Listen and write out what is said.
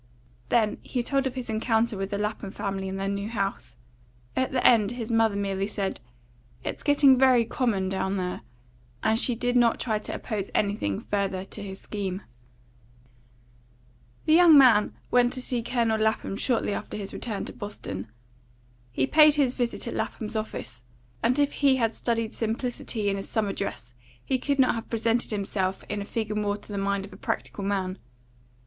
Then he told of his encounter with the Lapham family in their new house. At the end his mother merely said, "It is getting very common down there," and she did not try to oppose anything further to his scheme. The young man went to see Colonel Lapham shortly after his return to Boston. He paid his visit at Lapham's office, and if he had studied simplicity in his summer dress he could not have presented himself in a figure more to the mind of a practical man.